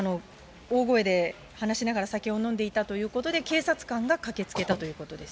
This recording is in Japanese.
大声で話ながら酒を飲んでいたということで、警察官が駆けつけたということです。